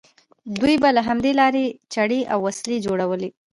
دوی به له همدې لارې چړې او وسلې جوړولې.